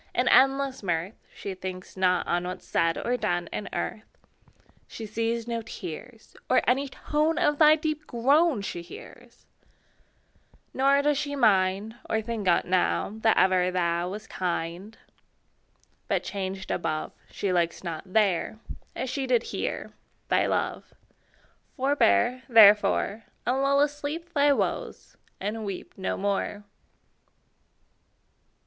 In endless mirth, She thinks not on What's said or done In earth: She sees no tears, Or any tone Of thy deep groan She hears; Nor does she mind, Or think on't now, That ever thou Wast kind: But changed above, She likes not there, As she did here, Thy love. Forbear, therefore, And lull asleep Thy woes, and weep No more.